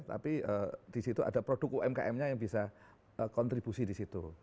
tapi di situ ada produk umkm nya yang bisa kontribusi di situ